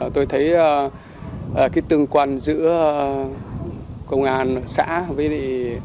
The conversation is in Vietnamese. tôi thấy cái tương quan giữa công an xã với